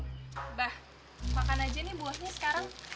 abah makan aja nih buahnya sekarang